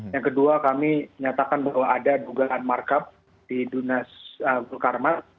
yang kedua kami nyatakan bahwa ada dugaan markup di dunas gulkarmat